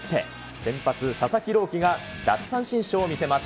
先発、佐々木朗希が奪三振ショーを見せます。